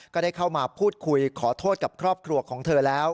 ก็ได้เข้ามาพูดคุยขอโทษกับครอบครัวของเธอแล้ว